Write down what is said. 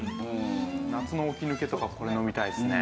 夏の起き抜けとかこれ飲みたいですね。